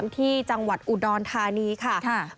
ที่จังหวัดอุดรธานีค่ะ